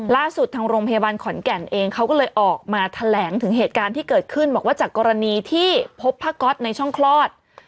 ทางโรงพยาบาลขอนแก่นเองเขาก็เลยออกมาแถลงถึงเหตุการณ์ที่เกิดขึ้นบอกว่าจากกรณีที่พบผ้าก๊อตในช่องคลอด